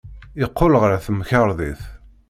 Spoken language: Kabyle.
Yeqqel ɣer temkarḍit.